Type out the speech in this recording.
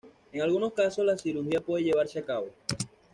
En algunos casos, la cirugía puede llevarse a cabo.